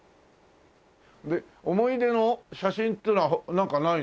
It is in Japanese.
思い出の写真っていうのはなんかないの？